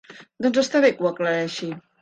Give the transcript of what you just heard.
Doncs està bé que ho aclareixi.